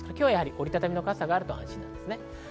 折り畳みの傘があると安心です。